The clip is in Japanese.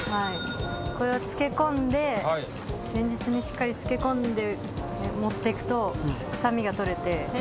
これは漬け込んで前日にしっかり漬け込んで持ってくと臭みが取れて。